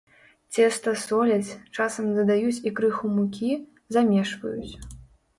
Цеста соляць, часам дадаюць і крыху мукі, замешваюць.